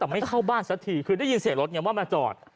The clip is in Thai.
แต่ไม่เข้าบ้านสักทีคือได้ยินเสียงรถไงว่ามาจอด